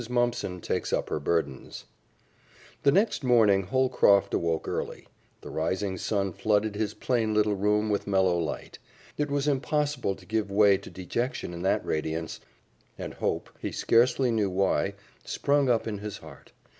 Mumpson Takes Up Her Burdens The next morning Holcroft awoke early. The rising sun flooded his plain little room with mellow light. It was impossible to give way to dejection in that radiance, and hope, he scarcely knew why, sprung up in his heart.